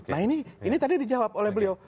nah ini tadi dijawab oleh beliau